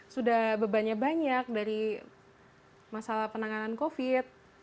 sudah bebannya banyak dari masalah penanganan covid